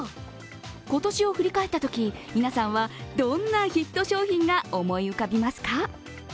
今年を振り返ったとき、皆さんはどんなヒット商品が思い浮かびますか？